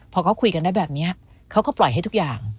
พอเขาคุยกันได้แบบนี้เขาก็ปล่อยให้ทุกอย่าง